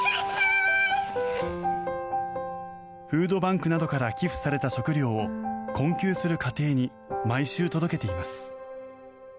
フードバンクなどから寄付された食料を困窮する家庭に毎週届けています。